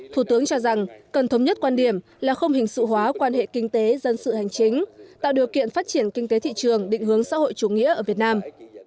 thủ tướng cho rằng cần thống nhất quan điểm là không hình sự hóa quan hệ kinh tế dân sự hành chính tạo điều kiện phát triển kinh tế thị trường định hướng xã hội chủ nghĩa ở việt nam